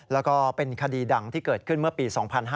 แล้วก็เป็นคดีดังที่เกิดขึ้นเมื่อปี๒๕๕๙